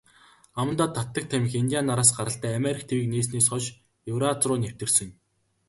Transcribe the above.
Амандаа татдаг тамхи индиан нараас гаралтай, Америк тивийг нээснээс хойно Еврази руу нэвтэрсэн.